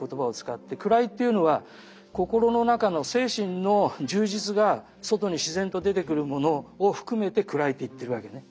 位っていうのは心の中の精神の充実が外に自然と出てくるものを含めて位って言ってるわけね。